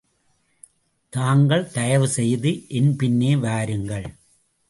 தாங்கள் தயவுசெய்து என் பின்னே வாருங்கள்!